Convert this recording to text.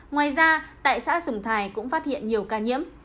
ngoài ra tại xã sùng thái cũng phát hiện nhiều ca nhiễm